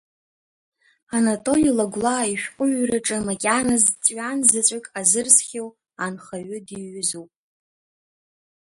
Анатоли Лагәлаа ишәҟәыҩҩраҿы макьаназ ҵәҩан заҵәык азырсхьоу анхаҩы диҩызоуп.